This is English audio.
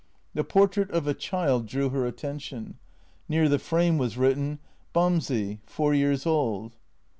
The portrait of a child drew her attention — near the frame was written " Bamsey, four years old."